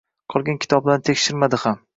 Qolgan kitoblarni tekshirmadi ham.